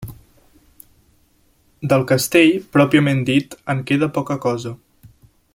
Del castell, pròpiament dit, en queda poca cosa.